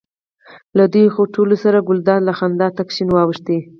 له دې خوټولو سره ګلداد له خندا تک شین واوښت.